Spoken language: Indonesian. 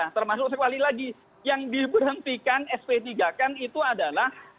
termasuk sekali lagi yang diberhentikan sp tiga kan itu adalah